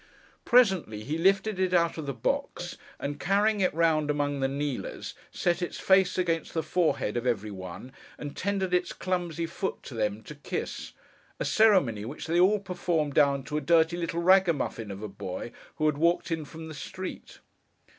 Presently, he lifted it out of the box, and carrying it round among the kneelers, set its face against the forehead of every one, and tendered its clumsy foot to them to kiss—a ceremony which they all performed down to a dirty little ragamuffin of a boy who had walked in from the street.